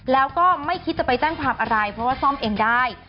แล้วก็ไม่คิดจะไปแจ้งความอะไรเพราะว่าซ่อมเองได้